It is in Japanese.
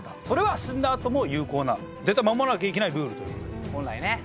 それは死んだあとも有効な絶対守らなきゃいけないルールという事で。